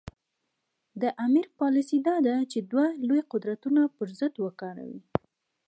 د امیر پالیسي دا ده چې دوه لوی قدرتونه پر ضد وکاروي.